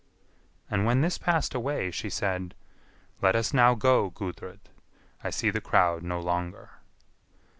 And when this passed away, she said, "Let us now go, Gudrid; I see the crowd no longer."